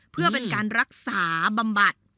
เพื่อเป็นการรักษาบำบัด